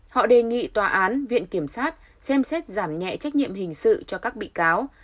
họ đề nghị tòa án viện kiểm sát xem xét giảm nhẹ trách nhiệm hình sự cho các bị cáo